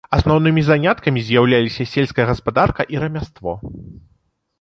Асноўнымі заняткамі з'яўляліся сельская гаспадарка і рамяство.